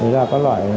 thế là có loại